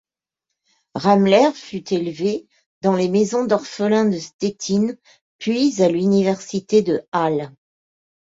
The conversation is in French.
Ramler fut élevé dans les maisons d’orphelins de Stettin, puis à l’université de Halle.